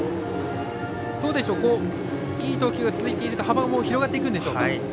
いい投球が続いていると幅も広がっていくんでしょうか。